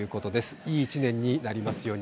いい１年になりますように。